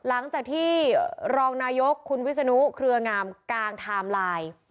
หลังจากที่รองนายกคุณวิศนุเครืองามกลางไทม์ไลน์